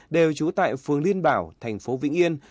đều trú tại phường liên bảo thành phố vĩnh yên